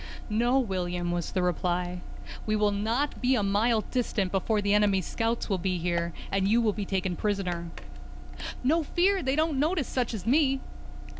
"No, William," was the reply. "We will not be a mile distant before the enemy's scouts will be here, and you will be taken prisoner." "No fear, they don't notice such as me!"